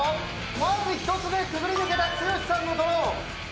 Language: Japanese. まず１つ目くぐり抜けた剛さんのドローン。